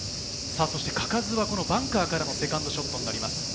嘉数はこのバンカーからのセカンドショットになります。